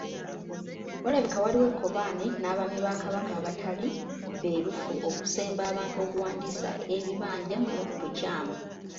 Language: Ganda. Walabika waaliwo ekkobaane n’Abaami ba Kabaka abataali beerufu okusemba abantu okuwandiisa ebibanja mu bukyamu.